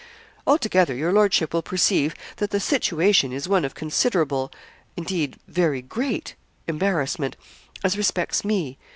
Altogether, your lordship will perceive that the situation is one of considerable, indeed very great embarrassment, as respects me.